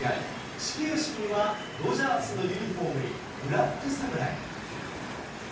始球式には、ドジャースのユニホームにブラックサムライ。